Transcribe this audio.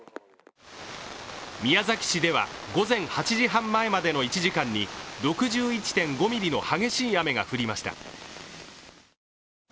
宮崎市では、午前８時半前までの１時間に６１．５ミリの激しい雨が降りました。